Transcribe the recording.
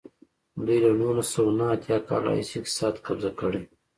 دوی له نولس سوه نهه اتیا کال راهیسې اقتصاد قبضه کړی.